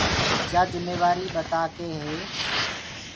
يآ جميوآريٚ پِتآ ڪيٚ هي